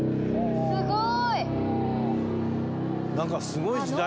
すごい！